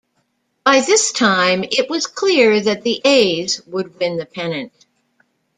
By this time, it was clear that the A's would win the pennant.